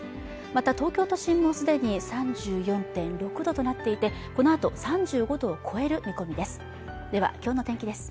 また東京都心もすでに３４．６度となっていてこのあと３５度を超える見込みですでは今日の天気です